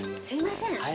すいません。